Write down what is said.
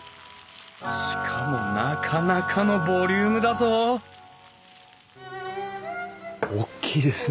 しかもなかなかのボリュームだぞ大きいですね。